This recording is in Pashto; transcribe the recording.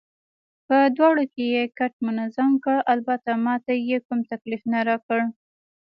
په دواړو یې کټ منظم کړ، البته ما ته یې کوم تکلیف نه راکړ.